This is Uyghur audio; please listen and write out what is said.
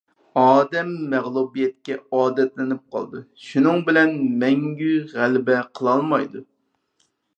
ئادەم مەغلۇبىيەتكە ئادەتلىنىپ قالىدۇ، شۇنىڭ بىلەن مەڭگۈ غەلىبە قىلالمايدۇ.